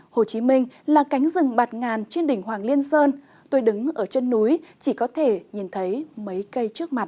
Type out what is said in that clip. hồ chí minh là cánh rừng bạt ngàn trên đỉnh hoàng liên sơn tôi đứng ở chân núi chỉ có thể nhìn thấy mấy cây trước mặt